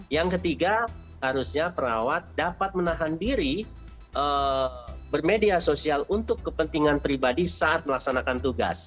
yang ketiga harusnya perawat dapat menahan diri bermedia sosial untuk kepentingan pribadi saat melaksanakan tugas